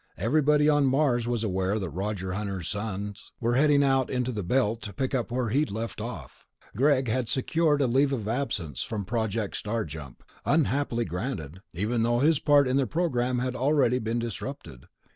Everybody on Mars was aware that Roger Hunter's sons were heading out to the Belt to pick up where he had left off. Greg had secured a leave of absence from Project Star Jump ... unhappily granted, even though his part in their program had already been disrupted.